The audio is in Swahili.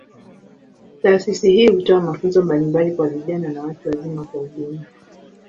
Taasisi hii hutoa mafunzo mbalimbali kwa vijana na watu wazima kwa ujumla.